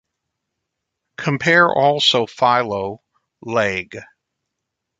Compare also Philo, Leg.